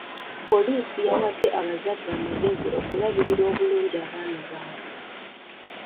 Poliisi yawadde abazadde amagezi okulabirira obulungi abaana baabwe.